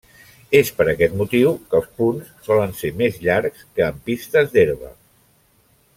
És per aquest motiu que els punts solen ser més llargs que en pistes d'herba.